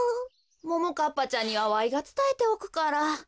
ももかっぱちゃんにはわいがつたえておくから。